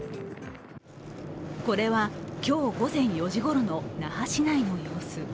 これは今日午前４時ごろの那覇市内の様子。